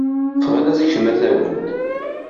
Ffeɣ a laẓ, kcem a tawant!